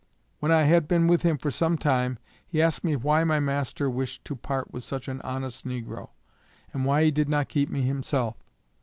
When I had been with him for some time, he asked me why my master wished to part with such an honest negro, and why he did not keep me himself.